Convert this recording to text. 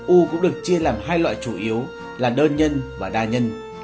u cũng được chia làm hai loại chủ yếu là đơn nhân và đa nhân